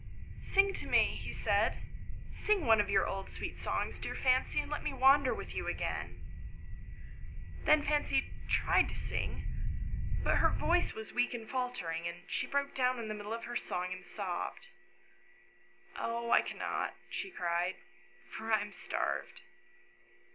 " Sing to me," he said ;" sing one of your old sweet songs, dear Fancy, and let me wander with you again." Then Fancy tried to sing, but her voice was weak and faltering, and she broke down in the middle of her song and sobbed. " Oh, I cannot, I cannot," she cried, " for I am starved."